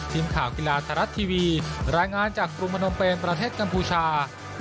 ทีมข่าวกีฬาไทยรัฐทีวีรายงานจากกรุงมนมเป็นประเทศกัมพูชา